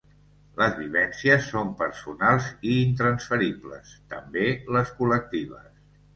Les vivències són personals i intransferibles, també les col·lectives.